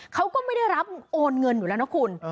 เขาก็ไม่ได้รับโอนเงินอยู่แล้วนะคุณ